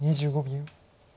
２５秒。